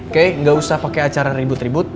oke gak usah pakai acara ribut ribut